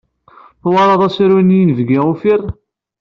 Twalaḍ asaru n Inebgi Uffir?